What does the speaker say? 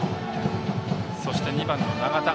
そして、２番の長田。